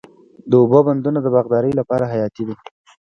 د اوبو بندونه د باغدارۍ لپاره حیاتي دي.